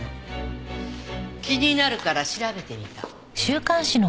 気になるから調べてみた。